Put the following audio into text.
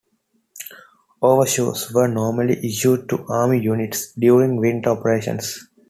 Overshoes were normally issued to Army units during winter operations.